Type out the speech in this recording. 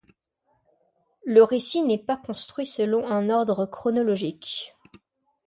Le récit n’est pas construit selon un ordre chronologique.